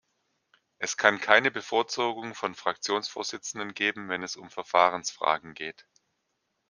Es kann keine Bevorzugung von Fraktionsvorsitzenden geben, wenn es um Verfahrensfragen geht.